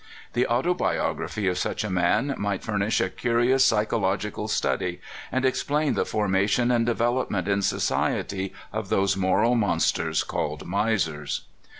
The autobiography of such a man might furnish a curious psychological study, and explain the formation and development in society of those moral monsters called misers.